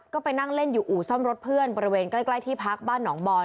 ก็ไปนั่งเล่นอยู่อู่ซ่อมรถเพื่อนบริเวณใกล้ที่พักบ้านหนองบอน